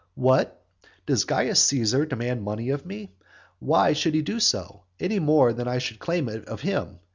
"What, does Caius Caesar demand money of me? why should he do so, any more than I should claim it of him?